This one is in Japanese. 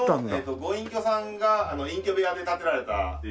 のご隠居さんが隠居部屋で建てられたという。